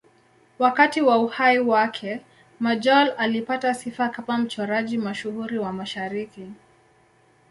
Wakati wa uhai wake, Majolle alipata sifa kama mchoraji mashuhuri wa Mashariki.